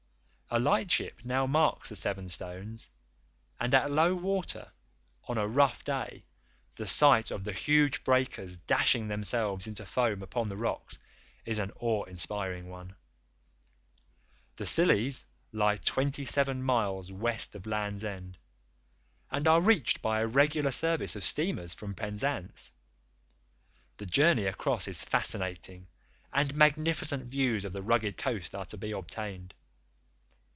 A lightship now marks the Seven Stones, and at low water on a rough day the sight of the huge breakers dashing themselves into foam upon the rocks is an awe inspiring one. The Scillies lie twenty seven miles west of Land's End and are reached by a regular service of steamers from Penzance. The journey across is fascinating, and magnificent views of the rugged coast are to be obtained.